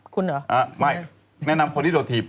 คุณเหรอไม่แนะนำคนที่โดดถีบ